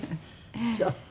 そう。